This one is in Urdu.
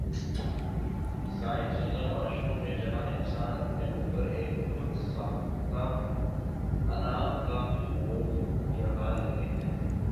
سائنس زدہ معاشروں میں جہاں انسان اپنے اوپر ایک خود ساختہ انا کا خول چڑھا لیتے ہیں